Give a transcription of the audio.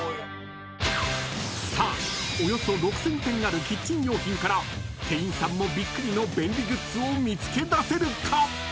［さあおよそ６，０００点あるキッチン用品から店員さんもびっくりの便利グッズを見つけ出せるか？］